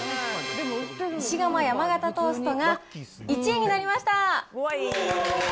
石窯山型トーストが１位になりました。